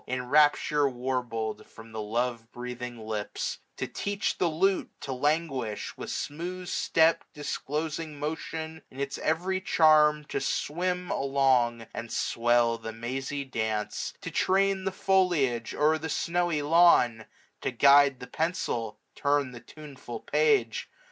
In rapture warbled from love breathing lips ; To teach the lute to languish ; with smooth step, Disclosing motion in its every charm, 595 To swim along, and swell the mazy dance ; To train the foliage o'er the snowy lawn ; To guide the pencil, turn the tuneful page ; 144 AUTUMN.